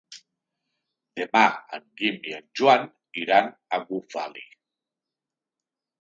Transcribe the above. Demà en Guim i en Joan iran a Bufali.